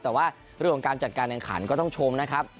แต่ว่าเรื่องของการจัดการแข่งขันก็ต้องชมนะครับ